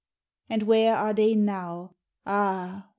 And where are they now? Ah!